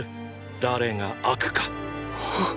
誰が悪か。！